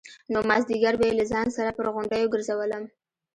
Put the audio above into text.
نو مازديگر به يې له ځان سره پر غونډيو گرځولم.